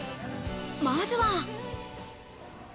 まずは。